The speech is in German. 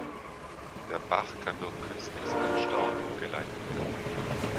Der Bach kann durch künstliches Anstauen umgeleitet werden.